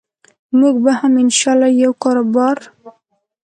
موږ به هم إن شاء الله یو کاربار